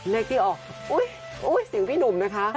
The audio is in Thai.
เลขที่ออกอุ๊ยเสียงพี่หนุ่มนะคะ